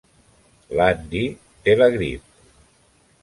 L'Andy té la grip.